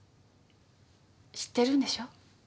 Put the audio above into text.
知ってるんでしょ？